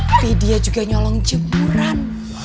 tapi dia juga nyolong jemuran